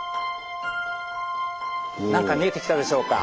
何か見えてきたでしょうか？